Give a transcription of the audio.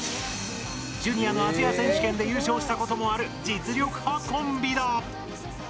ジュニアのアジア選手権で優勝したこともある実力派コンビだ。